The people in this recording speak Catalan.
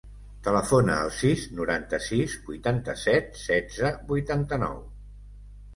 Telefona al sis, noranta-sis, vuitanta-set, setze, vuitanta-nou.